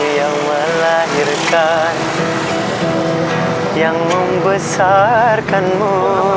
yang melahirkan yang membesarkanmu